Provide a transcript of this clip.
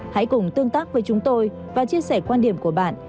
hãy cùng tương tác với chúng tôi và chia sẻ quan điểm của bạn